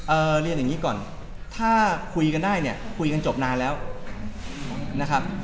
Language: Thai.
เรียนอย่างนี้ก่อนถ้าคุยกันได้เนี่ยคุยกันจบนานแล้วนะครับ